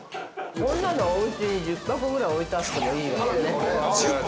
◆こんなのおうちに１０箱ぐらい置いてあってもいいわよね。